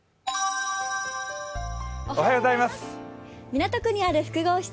港区にある複合施設